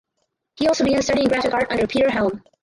He also began studying graphic art under Peter Halm.